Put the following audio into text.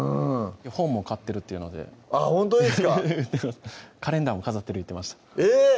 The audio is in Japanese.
本も買ってるっていうのであっほんとですかカレンダーも飾ってる言うてましたえっ！